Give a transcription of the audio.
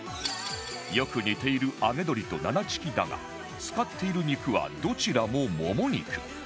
よく似ている揚げ鶏とななチキだが使っている肉はどちらももも肉